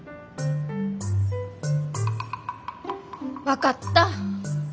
分かった。